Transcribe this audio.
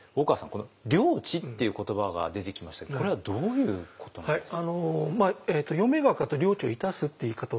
この「良知」っていう言葉が出てきましたけれどもこれはどういうことなんですか？